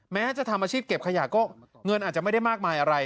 แม้จะทำอาชีพเก็บขยะก็เงินอาจจะไม่ได้มากมายอะไร